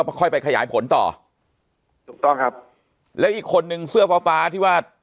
ผมว่ามันพูดไปมันเป็นไปการสันนิษฐานเท่านั้นเองครับ